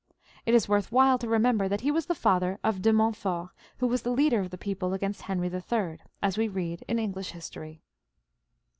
It is worth while to remember that. he was J;he father of the De Mont fort who ^as the leader of the people against Henry III, as we read in English history.